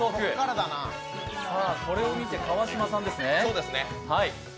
これを見て川島さんですね。